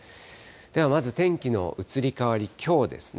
ではまず天気の移り変わり、きょうですね。